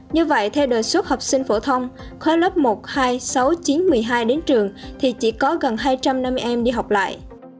như vậy theo đề xuất học sinh phổ thông khóa lớp một hai sáu chín một mươi hai đến trường thì chỉ có gần hai trăm năm mươi em đi học lại